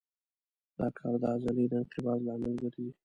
دا کار د عضلې د انقباض لامل ګرځي.